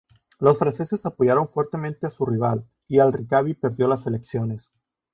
Los franceses apoyaron fuertemente a su rival y al-Rikabi perdió las elecciones.